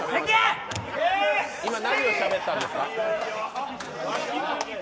今、何をしゃべったんですか。